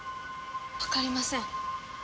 わかりません。